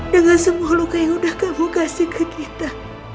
dengan semua luka yang sudah kamu kasih ke kita